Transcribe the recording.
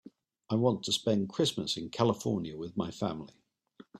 I want to spend Christmas in California with my family.